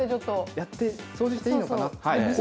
やって、掃除していいのかなと。